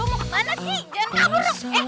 eh jangan kabur lu